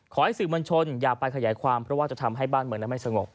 ขอให้สื่อมวลชนอย่าไปขยายความเพราะว่าจะทำให้บ้านเมืองนั้นไม่สงบ